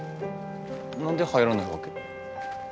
何で入らないわけ？